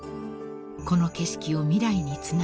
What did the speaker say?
［この景色を未来につなぐ］